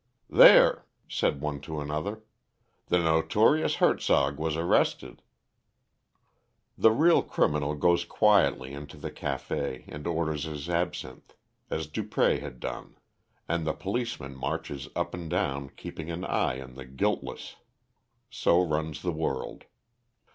"There," said one to another, "the notorious Hertzog was arrested." The real criminal goes quietly into the café, and orders his absinthe, as Dupré had done. And the policeman marches up and down keeping an eye on the guiltless. So runs the world.